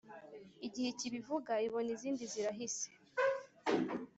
igihe ikibivuga ibona izindi zirahise,